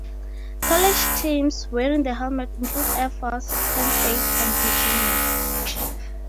College teams wearing the helmet include Air Force, Penn State, and Virginia.